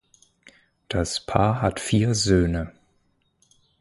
Das Paar hat vier Söhne.